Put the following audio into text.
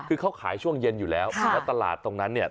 คือเขาขายช่วงเย็นอยู่แล้วแล้วตลาดตรงนั้นเนี่ย